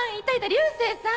流星さん！